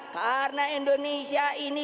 karena indonesia ini